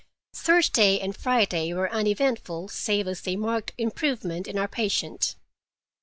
Thursday and Friday were uneventful, save as they marked improvement in our patient.